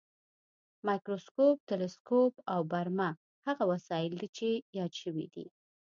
مایکروسکوپ، تلسکوپ او برمه هغه وسایل دي چې یاد شوي دي.